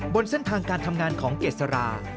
บนเส้นทางการทำงานของเกษรา